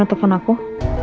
aku mau ke rumah